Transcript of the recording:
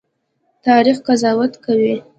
تاریخ قضاوت کوي